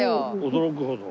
驚くほど。